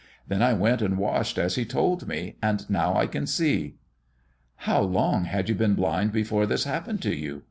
"Then I went and washed as He told me, and now I can see." "How long had you been blind before this happened to you?"